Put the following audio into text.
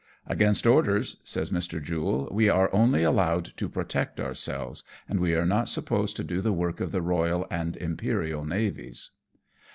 " Against orders," says Mr. Jule, " we are only allowed to protect ourselves ; and we are not supposed to do the work of the Royal and Imperial navies."